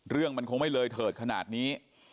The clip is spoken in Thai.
เรื่องมันคงไม่เลยเถิดขนาดนี้